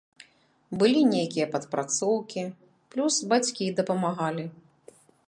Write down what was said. Былі нейкія падпрацоўкі, плюс бацькі дапамагалі.